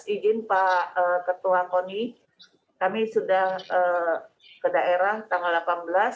izin pak ketua koni kami sudah ke daerah tanggal delapan belas